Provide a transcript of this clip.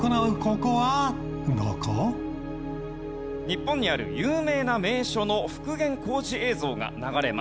日本にある有名な名所の復元工事映像が流れます。